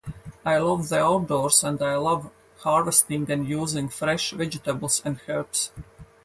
I love the outdoors and I love harvesting and using fresh vegetables and herbs.